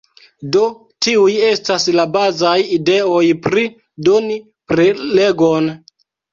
Do tiuj estas la bazaj ideoj pri doni prelegon.